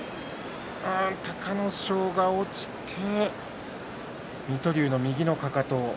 隆の勝が落ちて水戸龍の右のかかと。